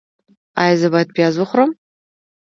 ایا زه باید پیاز وخورم؟